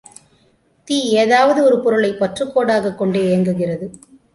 தீ ஏதாவது ஒரு பொருளை பற்றுக்கோடாகக் கொண்டே இயங்குகிறது.